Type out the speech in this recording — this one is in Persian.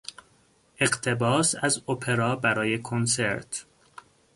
اقتباس از اپرا برای کنسرت